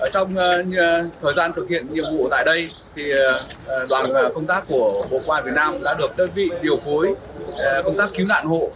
trong thời gian thực hiện nhiệm vụ tại đây đoàn công tác của bộ công an việt nam cũng đã được đơn vị điều phối công tác cứu nạn hộ